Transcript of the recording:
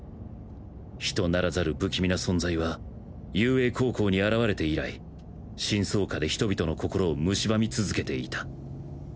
人ならざる不気味な存在は雄英高校に現れて以来深層下で人々の心を蝕み続けていた。